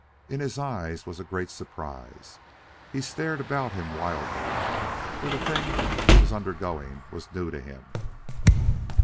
In his eyes was a great surprise. He stared about him wildly, for the thing he was undergoing was new to him.